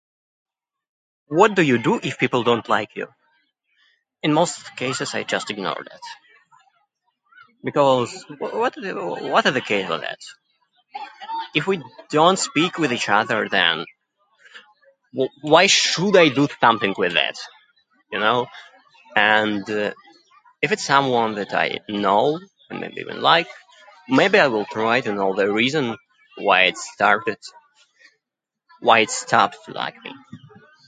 What do you do if people don't like you? In most cases, I just ignore that. Because what what is the case of that? If we don't speak with each other, then, wh- why should I do something with that, you know? And if it's someone that I know, maybe even like, maybe I try to know the reason why it started, why it stopped to like me.